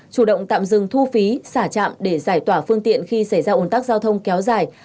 chủ động tạm dừng thu phí xả trạm để giải tỏa phương tiện khi xảy ra ồn tắc giao thông kéo dài